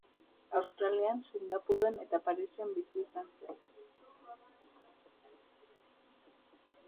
Australian, Singapurren eta Parisen bizi izan zen.